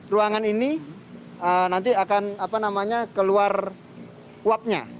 ruangan ini nanti akan keluar uapnya